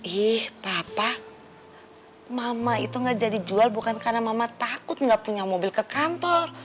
ih papa mama itu gak jadi jual bukan karena mama takut nggak punya mobil ke kantor